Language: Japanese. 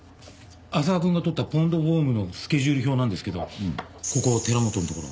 浅輪くんが撮ったポンドホームのスケジュール表なんですけどここ寺本のところ。